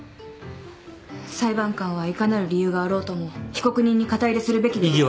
裁判官はいかなる理由があろうとも被告人に肩入れするべきでは。